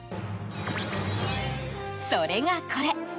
それがこれ。